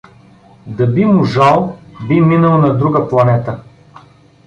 Да би можал, би минал на друга планета.